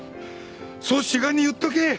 そう志賀に言っとけ！